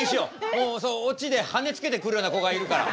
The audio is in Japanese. もうオチで羽つけてくるような子がいるから。